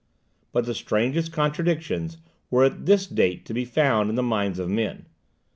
But the strangest contradictions were at this date to be found in the minds of men.